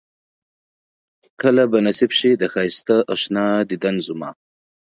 کله به نصيب شي د ښائسته اشنا ديدن زما